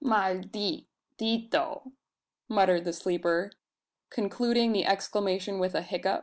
"Mal dit dit o!" muttered the sleeper, concluding the exclamation with a hiccup.